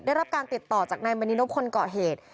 ได้รับการติดต่อจากไหนมานินวรรค์คลเกาะเหตุ